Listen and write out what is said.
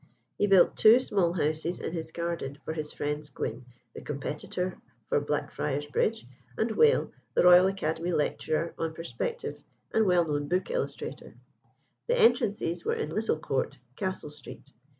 He built two small houses in his garden for his friends Gwynn, the competitor for Blackfriars Bridge, and Wale, the Royal Academy lecturer on perspective, and well known book illustrator. The entrances were in Little Court, Castle Street.